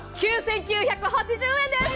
９９８０円です！